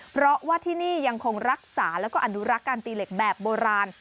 เพราะว่าที่นี่ยังคงรักษาแล้วก็อนุรักษ์การตีเหล็กแบบโบราณ